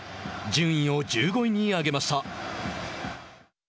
順位を１５位に上げました。